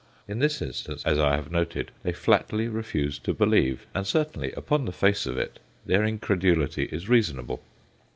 In this instance, as I have noted, they flatly refuse to believe, and certainly "upon the face of it" their incredulity is reasonable.